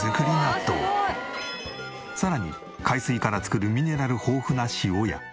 さらに海水から作るミネラル豊富な塩や。